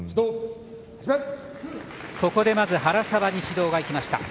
ここでまず原沢に指導がいきました。